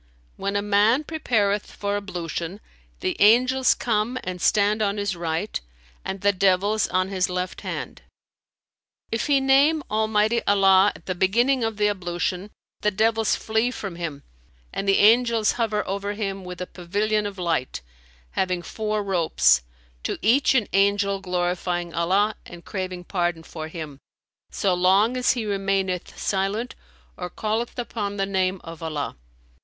"When a man prepareth for ablution, the angels come and stand on his right and the devils on his left hand.[FN#307] If he name Almighty Allah at the beginning of the ablution, the devils flee from him and the angels hover over him with a pavilion of light, having four ropes, to each an angel glorifying Allah and craving pardon for him, so long as he remaineth silent or calleth upon the name of Allah.